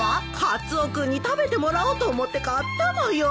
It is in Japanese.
カツオ君に食べてもらおうと思って買ったのよ。